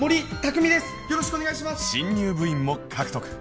新入部員も獲得